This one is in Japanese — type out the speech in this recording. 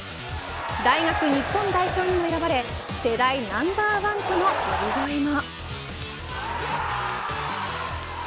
大学日本代表にも選ばれ世代ナンバーワンとの呼び声も。